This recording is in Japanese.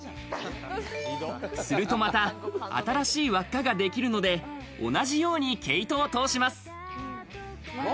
するとまた新しい輪っかができるので同じように毛糸を通します。